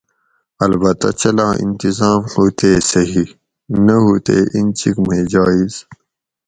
البتہ چلاں انتظام ہُو تے صحیح نہ ہو تے اینچیک مئی جائز